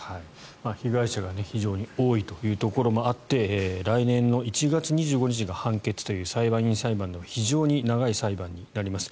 被害者が非常に多いというところもあって来年の１月２５日が判決という、裁判員裁判の非常に長い裁判になります。